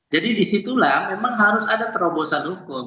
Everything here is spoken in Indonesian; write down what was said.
jadi disitulah memang harus ada terobosan hukum